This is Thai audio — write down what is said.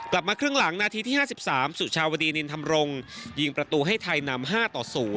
กลับมาครึ่งหลังนาทีที่๕๓สุชาวดีนินธรรมรงค์ยิงประตูให้ไทยนำ๕ต่อ๐